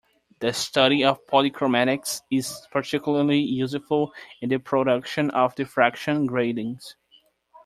The study of polychromatics is particularly useful in the production of diffraction gratings.